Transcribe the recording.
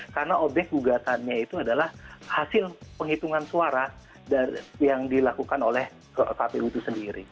karena objek gugatannya itu adalah hasil penghitungan suara yang dilakukan oleh pak pilu itu sendiri